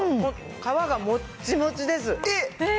皮がもっちもちです。